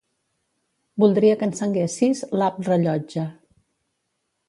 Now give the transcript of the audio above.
Voldria que encenguessis l'app Rellotge.